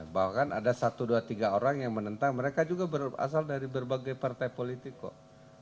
bahwa kan ada satu dua tiga orang yang menentang mereka juga berasal dari berbagai partai politik kok